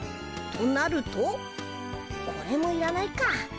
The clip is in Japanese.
となるとこれもいらないか。